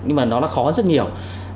nhưng mà nó khó rất nhiều